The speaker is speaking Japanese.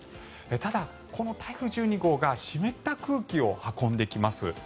ただ、この台風１２号が湿った空気を運んできます。